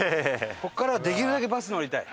ここからはできるだけバス乗りたい。